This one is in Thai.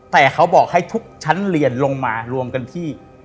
แต่เขาบอกให้ทุกชั้นเรียนลงมารวมกันที่